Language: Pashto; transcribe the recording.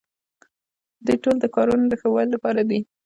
دوی ټول د کارونو د ښه والي لپاره دي.